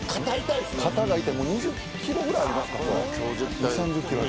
これ２０キロぐらいありますか。